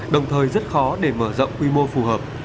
đồng thời rất khó để mở rộng quy mô phù hợp